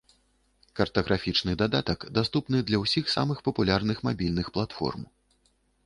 Картаграфічны дадатак даступны для ўсіх самых папулярных мабільных платформ.